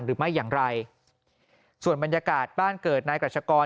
หรือไม่อย่างไรส่วนบรรยากาศบ้านเกิดนายกรัชกร